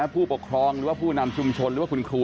ผู้ปกครองผู้นำชุมชนหรือว่าคุณครู